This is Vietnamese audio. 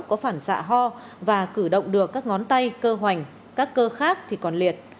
có phản xạ ho và cử động được các ngón tay cơ hoành các cơ khác thì còn liệt